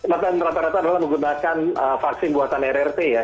rata rata adalah menggunakan vaksin buatan rrt ya